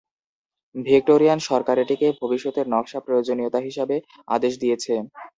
Victorian সরকার এটিকে ভবিষ্যতের নকশা প্রয়োজনীয়তা হিসাবে আদেশ দিয়েছে।